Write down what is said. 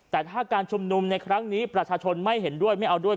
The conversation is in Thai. แต่ถ้าการชุมนุมในครั้งนี้ประชาชนไม่เห็นด้วยไม่เอาด้วย